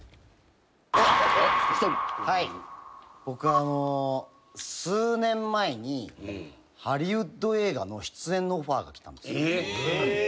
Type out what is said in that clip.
僕数年前にハリウッド映画の出演のオファーが来たんですよ。